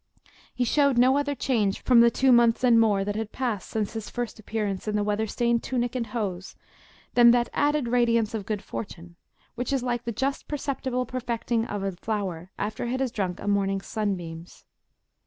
He showed no other change from the two months and more that had passed since his first appearance in the weather stained tunic and hose, than that added radiance of good fortune, which is like the just perceptible perfecting of a flower after it has drunk a morning's sunbeams.